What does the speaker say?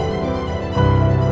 lo udah ngerti kan